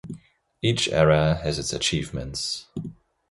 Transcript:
Each era has its achievements.